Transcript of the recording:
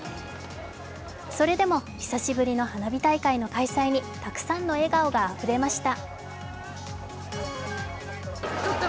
それでも久しぶりの花火大会の開催にたくさんの笑顔があふれました。